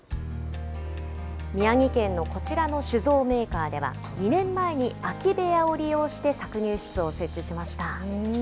宮城県のこちらの酒造メーカーでは、２年前に空き部屋を利用して搾乳室を設置しました。